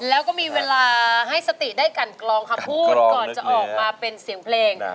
แล้วก็มีเวลาให้สติได้กันกลองคำพูดก่อนจะออกมาเป็นเสียงเพลง